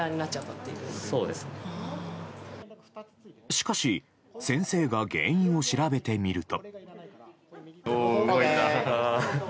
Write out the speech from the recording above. しかし先生が原因を調べてみると。